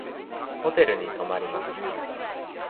ホテルに泊まります。